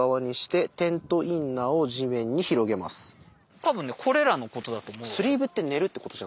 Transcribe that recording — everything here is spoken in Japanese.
多分ねこれらのことだと思う。